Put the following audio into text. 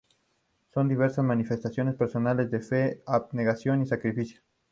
Son diversas manifestaciones personales de fe, abnegación o sacrificio.